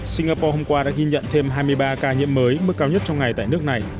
singapore hôm qua đã ghi nhận thêm hai mươi ba ca nhiễm mới mức cao nhất trong ngày tại nước này